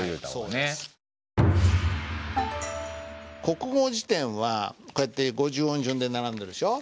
国語辞典はこうやって五十音順で並んでるでしょ。